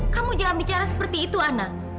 kamu jangan bicara seperti itu ana